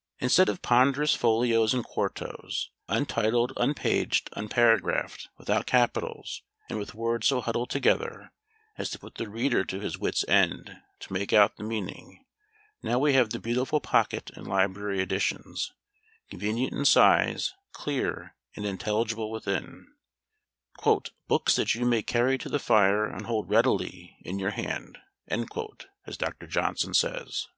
] Instead of ponderous folios and quartos, untitled, unpaged, and unparagraphed; without capitals, and with words so huddled together as to put the reader to his wit's end to make out the meaning, now we have the beautiful pocket and library editions, convenient in size, clear and intelligible within, "books that you may carry to the fire and hold readily in your hand," as Dr. Johnson says.